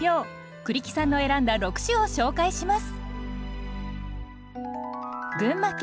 栗木さんの選んだ６首を紹介します。